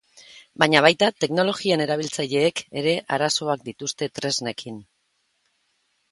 Baina baita teknologien erabiltzaileek ere arazoak dituzte tresnekin.